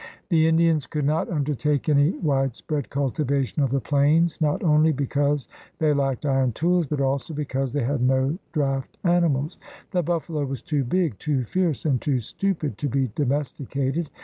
The Indians could not undertake any wide spread culti\'ation of the plains not only because they lacked iron tools but also because they had no draft animals. The buffalo was too big, too fierce, and too stupid to be domesticated.